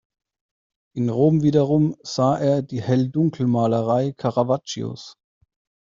In Rom wiederum sah er die Hell-Dunkel-Malerei Caravaggios.